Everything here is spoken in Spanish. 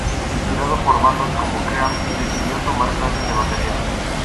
Inspirado por bandas como Cream, decidió tomar clases de batería.